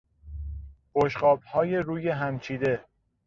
بشقابهای روی هم چیده